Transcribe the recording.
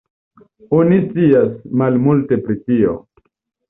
Oni scias malmulte pri tio.